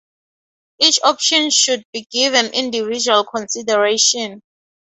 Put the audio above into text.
Each option should be given individual consideration.